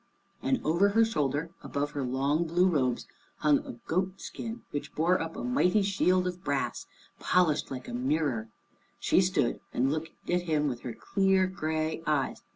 And over her shoulder, above her long blue robes, hung a goat skin, which bore up a mighty shield of brass, polished like a mirror. She stood and looked at him with her clear gray eyes.